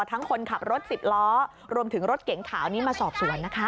คนขับรถสิบล้อรวมถึงรถเก๋งขาวนี้มาสอบสวนนะคะ